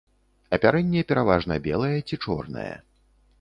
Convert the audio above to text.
Апярэнне пераважна белае ці чорнае.